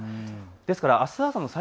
ですから、あす朝の予想